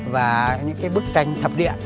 và những cái bức tranh thập điện